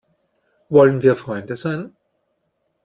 Wollen wir Freunde sein?